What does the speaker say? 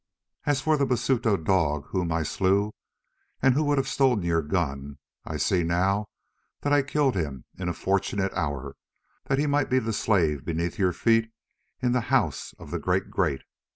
As for the Basuto dog whom I slew and who would have stolen your gun, I see now that I killed him in a fortunate hour, that he might be the slave beneath your feet in the House of the Great Great.